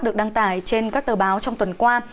được đăng tải trên các tờ báo trong tuần qua